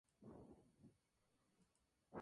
Belmonte de Tajo.